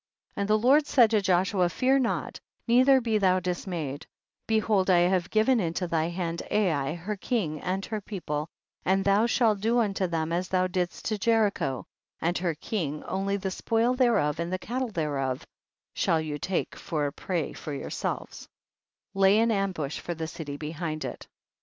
38. And the Lord said to Joshua, fear not, neither be thou dismayed, behold I have given into thy hand Ai, her king and her people, and thou shalt do unto them as thou didst to Jericho and her king, only the spoil thereof and the cattle thereof shall you take for a prey for yourselves ; lay an ambush for the city behind it.